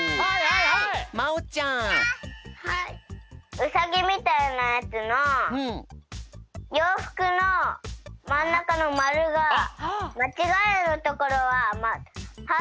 ウサギみたいなやつのようふくのまんなかのまるがまちがいのところはハートになってる。